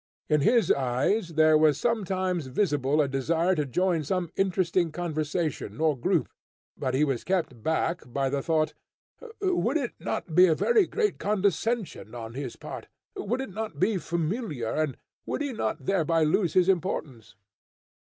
In his eyes, there was sometimes visible a desire to join some interesting conversation or group, but he was kept back by the thought, "Would it not be a very great condescension on his part? Would it not be familiar? And would he not thereby lose his importance?"